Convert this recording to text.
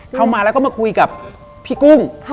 เข้ามาแล้วก็มาคุยกับพี่กุ้ง